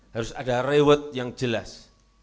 harus ada reward yang jelas